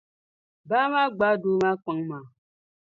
Baa maa gbaai doo maa kpaŋ maa.